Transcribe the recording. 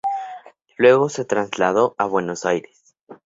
Luego se trasladó a Buenos Aires.